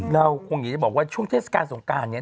เราคงอยากจะบอกว่าช่วงเทศกาลสงการเนี่ย